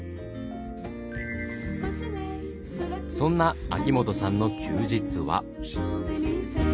そんな秋元さんの休日は。